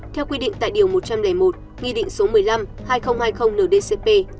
theo quy định tại điều một trăm linh một nghị định số một mươi năm hai nghìn hai mươi ndcp